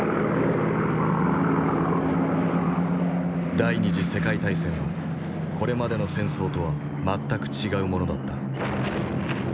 第二次世界大戦はこれまでの戦争とは全く違うものだった。